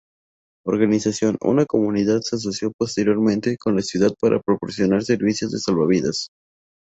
Organización Una comunidad se asoció posteriormente con la ciudad para proporcionar servicios de salvavidas.